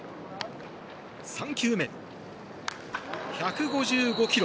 ３球目、１５５キロ。